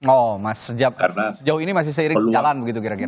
oh mas sejauh ini masih seiring jalan begitu kira kira